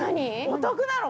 お得なの！